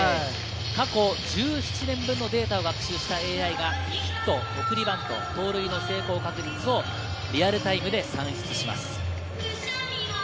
過去１７年分のデータを学習したＡＩがヒット、送りバント、盗塁の成功確率をリアルタイムで算出します。